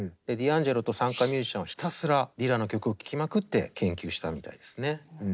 ディアンジェロと参加ミュージシャンはひたすらディラの曲を聴きまくって研究したみたいですね。